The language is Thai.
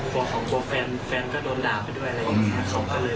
กลัวแฟนก็โดนด่าไปด้วยอะไรอย่างนี้